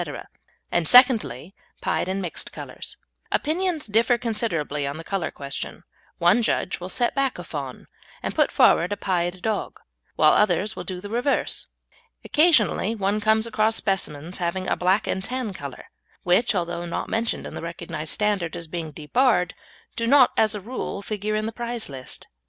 and, secondly, pied and mixed colours. Opinions differ considerably on the colour question; one judge will set back a fawn and put forward a pied dog, whilst others will do the reverse. Occasionally one comes across specimens having a black and tan colour, which, although not mentioned in the recognised standard as being debarred, do not as a rule figure in the prize list.